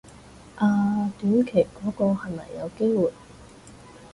啊短期嗰個係咪有機會